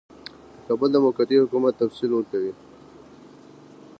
د کابل د موقتي حکومت تفصیل ورکوي.